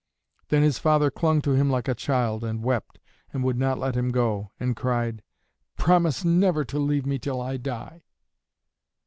Then his father clung to him like a child, and wept, and would not let him go, and cried, "Promise never to leave me till I die."